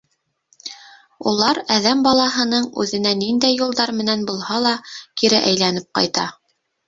Улар әҙәм балаһының үҙенә ниндәй юлдар менән булһа ла кире әйләнеп ҡайта.